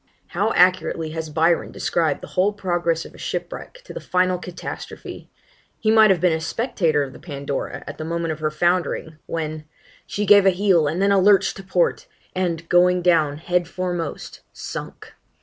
How accurately has Byron described the whole progress of a shipwreck to the final catastrophe! He might have been a spectator of the Pandora, at the moment of her foundering, when She gave a heel, and then a lurch to port, And, going down head foremost sunk....